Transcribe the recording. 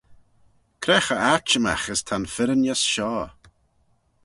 Cre cho atçhimagh as ta'n firrinys shoh!